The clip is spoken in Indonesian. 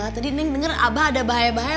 tadi neng denger abah ada bahaya bahaya